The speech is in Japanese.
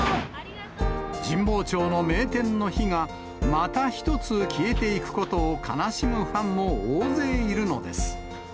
神保町の名店の火が、また一つ消えていくことを悲しむファンも大勢いるのです。